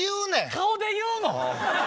顔で言うの？